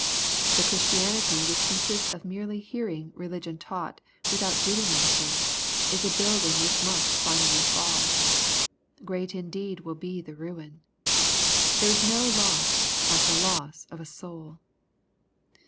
The Christianity which consists of merely hearing religion taught, without doing anything, is a building which must finally fall. Great indeed will be the ruin 1 There is no loss like the loss of a soul.